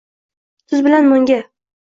Tuz bilan nonga